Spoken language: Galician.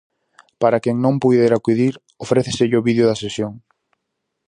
Para que non puidera acudir ofréceselle o vídeo da sesión.